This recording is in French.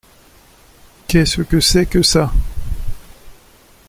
Qu’est que c’est que ça ?